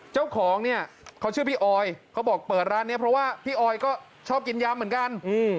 เจ้าของเนี่ยเขาชื่อพี่ออยเขาบอกเปิดร้านนี้เพราะว่าพี่ออยก็ชอบกินยำเหมือนกัน